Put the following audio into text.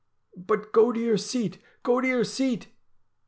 ' But go to your seat ! go to your seat